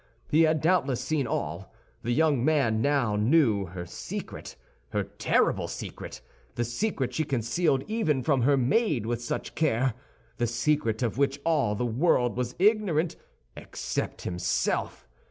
He had doubtless seen all. The young man now knew her secret, her terrible secret—the secret she concealed even from her maid with such care, the secret of which all the world was ignorant, except himself.